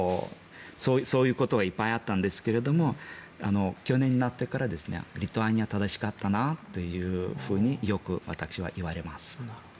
そういうことはいっぱいあったんですが去年になってからリトアニアは正しかったなとよく私は言われます。